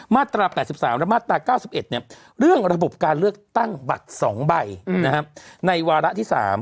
มาตรา๘๓และมาตรา๙๑เรื่องระบบการเลือกตั้งบัตร๒ใบในวาระที่๓